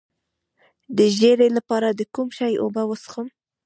د ژیړي لپاره د کوم شي اوبه وڅښم؟